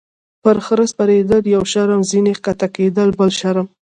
- پر خره سپرېدل یو شرم، ځینې کښته کېدل یې بل شرم.